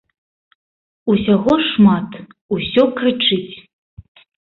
Усяго шмат, усё крычыць.